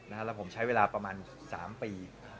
แล้วผมใช้เวลาประมาณ๓ปี